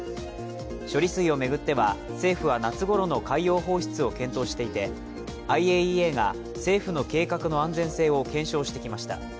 処理水を巡っては政府は夏ごろの海洋放出を検討していて、ＩＡＥＡが政府の計画の安全性を検証してきました。